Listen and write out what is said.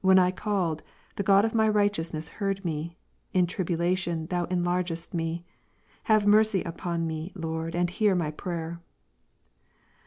When I called, the God of my righteousness heard me ; in Ps. 4, l. tribulation Thou enlargedst me. Have mercy upon me, *?}'^ Lord, and hear my prayer.